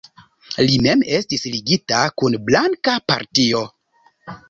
Li mem estis ligita kun blanka partio.